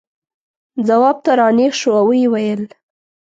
ځواب ته را نېغ شو او یې وویل.